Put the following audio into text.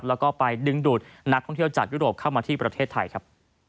แล้วก็ไปดึงดูดนักท่องเที่ยวจากยุโรปเข้ามาที่ประเทศไทยครับ